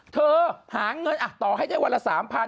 หาเงินต่อให้ได้วันละ๓๐๐๐